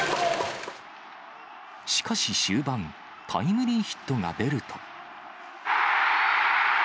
しかし終盤、タイムリーヒットが出ると。